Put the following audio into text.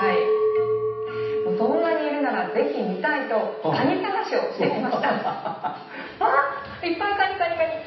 そんなにいるならぜひ見たいとカニ探しをしました！